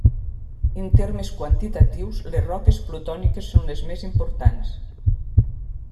En termes quantitatius, les roques plutòniques són les més importants.